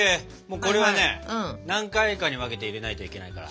これはね何回かに分けて入れないといけないから。